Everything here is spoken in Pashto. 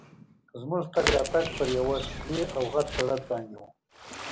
زموږ تګ راتګ پر یوه ښوي او غټ سړک باندي وو.